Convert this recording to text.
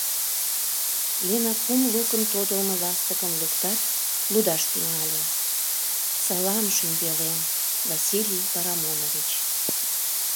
Лена кум лукын тодылмо ластыкым луктат, лудаш тӱҥале: «Салам, шӱмбелем, Василий Парамонович!»